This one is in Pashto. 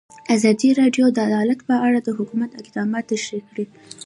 ازادي راډیو د عدالت په اړه د حکومت اقدامات تشریح کړي.